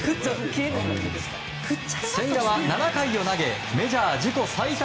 千賀は、７回を投げメジャー自己最多